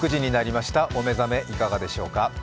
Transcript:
お目覚めいかがでしょうか。